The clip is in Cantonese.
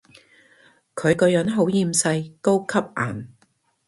佢個樣好厭世，高級顏